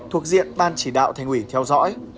thuộc diện ban chỉ đạo thành quỳ theo dõi